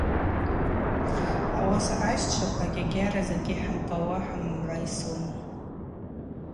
Ауаса айщчваква агьагьара закӏгьи хӏымбауа хӏымгӏвайсуан.